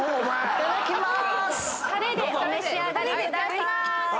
いただきます。